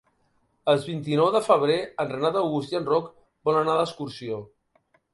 El vint-i-nou de febrer en Renat August i en Roc volen anar d'excursió.